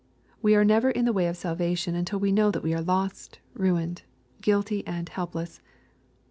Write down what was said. We are never in the way of salvation until we know that we are lost, ruined, guilty, and helpless.